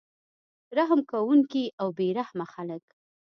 رحم کوونکي او بې رحمه خلک